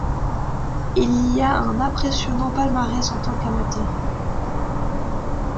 Il a un impressionnant palmarès en tant qu'amateur.